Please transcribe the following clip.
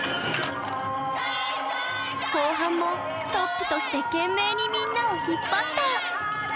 後半もトップとして懸命にみんなを引っ張った！